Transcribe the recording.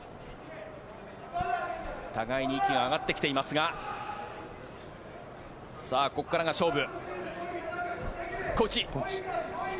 互いに息が上がってきていますがここからが勝負。